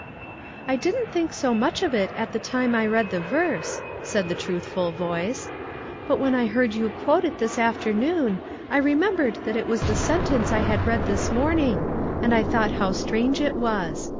"I didn't think so much of it at the time I read the verse," said the truthful voice ; "but when I heard you quote it this after noon, I remembered that it was the sen tence I had read this morning, and I thought how strange it was.